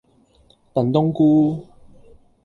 燉冬菇